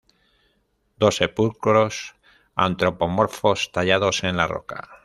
Dos sepulcros antropomorfos tallados en la roca.